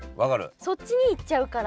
そっちに行っちゃうから。